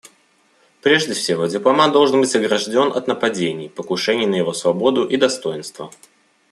Прежде всего, дипломат должен быть огражден от нападений, покушений на его свободу и достоинство.